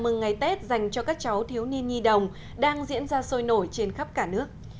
mừng ngày tết dành cho các cháu thiếu niên nhi đồng đang diễn ra sôi nổi trên khắp cả nước